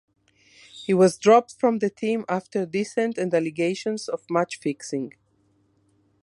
He was dropped from the team after dissent and allegations of match-fixing.